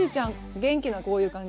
元気なこういう感じ。